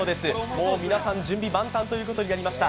もう皆さん準備万端ということになりました。